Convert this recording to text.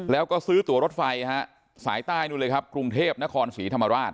แล้วก็ซื้อตัวรถไฟฮะสายใต้นู่นเลยครับกรุงเทพนครศรีธรรมราช